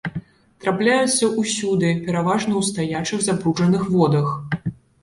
Трапляюцца ўсюды, пераважна ў стаячых забруджаных водах.